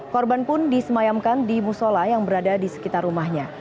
korban pun disemayamkan di musola yang berada di sekitar rumahnya